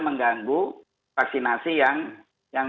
mengganggu vaksinasi yang